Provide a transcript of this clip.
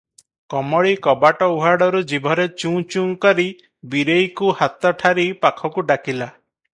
କମଳୀ କବାଟ ଉହାଡ଼ରୁ ଜିଭରେ ଚୁଁ- ଚୁଁ କରି ବୀରେଇକୁହାତ ଠାରି ପାଖକୁ ଡାକିଲା ।